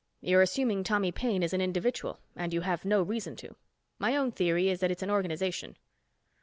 You're assuming Tommy Paine is an individual, and you have no reason to. My own theory is that it's an organization."